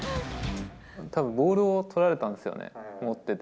たぶんボールを取られたんですよね、持ってて。